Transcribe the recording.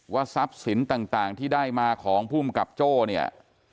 ทรัพย์สินต่างที่ได้มาของภูมิกับโจ้เนี่ย